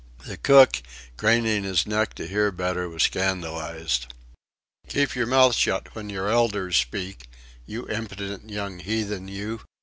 The cook, craning his neck to hear better, was scandalised. "Keep your mouth shut when your elders speak, you impudent young heathen you."